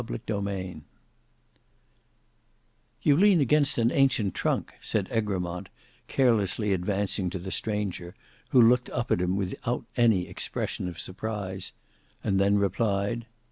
Book 2 Chapter 5 "You lean against an ancient trunk," said Egremont, carelessly advancing to the stranger, who looked up at him without any expression of surprise, and then replied.